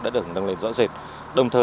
đã được nâng lên rõ rệt